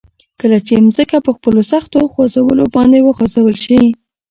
کله چې ځمکه په خپلو سختو خوځولو باندي وخوځول شي